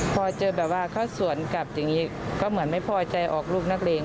พอเจอแบบว่าเขาสวนกลับอย่างนี้ก็เหมือนไม่พอใจออกลูกนักเลง